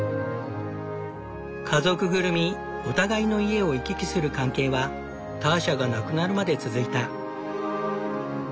家族ぐるみお互いの家を行き来する関係はターシャが亡くなるまで続いた。